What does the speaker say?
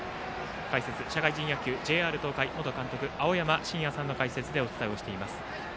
解説、社会人野球ＪＲ東海元監督、青山眞也さんの解説でお伝えしています。